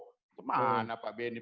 itu mana pak benny